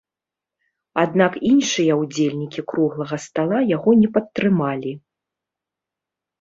Аднак іншыя ўдзельнікі круглага стала яго не падтрымалі.